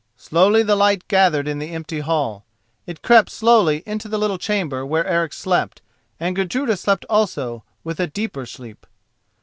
Slowly the light gathered in the empty hall, it crept slowly into the little chamber where Eric slept, and Gudruda slept also with a deeper sleep.